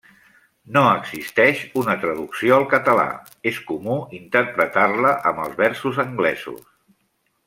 No existeix una traducció al català; és comú interpretar-la amb els versos anglesos.